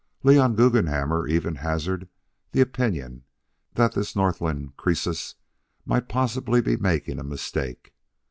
Leon Guggenhammer even hazarded the opinion that this Northland Croesus might possibly be making a mistake.